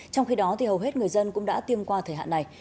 trong khi đó hầu hết người dân cũng đã tiêm qua thời hạn này